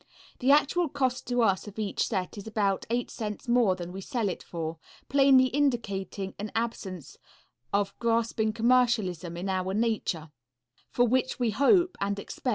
The actual cost to us of each set is about eight cents more than we sell it for; plainly indicating an absence of grasping commercialism in our nature, for which we hope and expect due commendation.